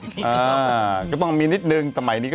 อ้าวไอ้ผีกูจะไปรู้เรื่องก็ได้ยังไง